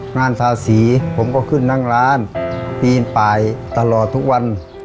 งานภาษีผมก็ขึ้นนั่งร้านปีนป่ายตลอดทุกวัน